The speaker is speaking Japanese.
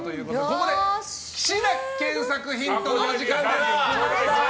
ここで岸田健作ヒントのお時間です。